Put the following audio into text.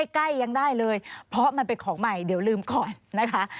ใกล้ยังได้เลยเพราะมันเป็นของใหม่เดี๋ยวลืมก่อนนะคะ